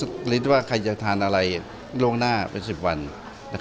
และก็ยังลิทธิ์ว่าใครจะทานอะไรล่วงหน้าเป็น๑๐วันนะครับ